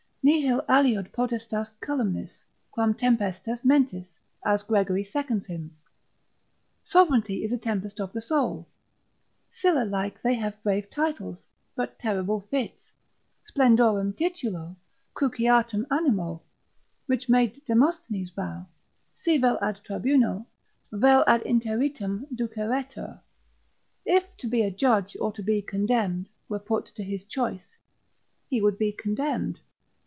Nihil aliud potestas culminis, quam tempestas mentis, as Gregory seconds him; sovereignty is a tempest of the soul: Sylla like they have brave titles, but terrible fits: splendorem titulo, cruciatum animo: which made Demosthenes vow, si vel ad tribunal, vel ad interitum duceretur: if to be a judge, or to be condemned, were put to his choice, he would be condemned.